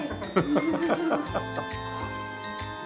ハハハハ！